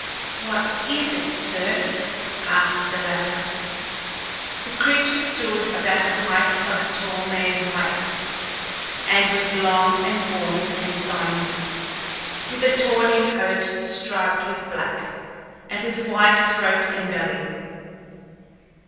"What is it, sir?" asked the latter. The creature stood about the height of a tall manl's waist, and was long and gaunt and sinuous, with a tawny coat striped with black, and with white throat and belly.